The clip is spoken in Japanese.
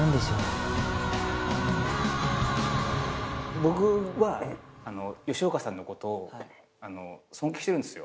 僕は吉岡さんのことを尊敬してるんですよ